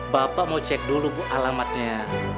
bapak mau cek dulu bu alamatnya